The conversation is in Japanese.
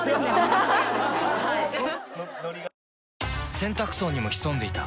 洗濯槽にも潜んでいた。